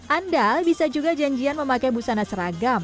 anda bisa juga janjian memakai busana seragam